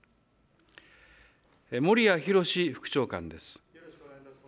森屋宏副長官です。